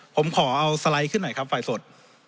ผมขอเอาสไลด์ขึ้นหน่อยครับไฟสด